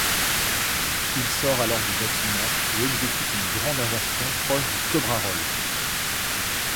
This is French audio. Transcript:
Il sort alors du bâtiment et exécute une grande inversion proche du cobra roll.